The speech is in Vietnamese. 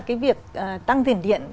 cái việc tăng tiền điện